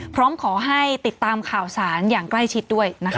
พร้อมขอให้ติดตามข่าวสารอย่างใกล้ชิดด้วยนะคะ